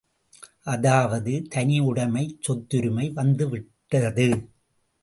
அதாவது தனியுடைமைச் சொத்துரிமை வந்துவிட்டது.